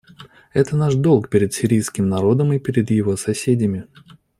Это наш долг перед сирийским народом и перед его соседями.